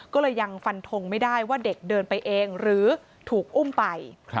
ก็เลยยังฟันทงไม่ได้ว่าเด็กเดินไปเองหรือถูกอุ้มไป